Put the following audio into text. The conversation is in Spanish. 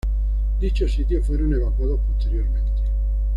Dichos sitios fueron evacuados posteriormente.